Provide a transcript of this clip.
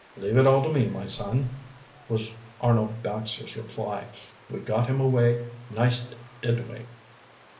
"Leave it all to me, my son," was Arnold Baxter's reply. "We got him away nicely, didn't we?"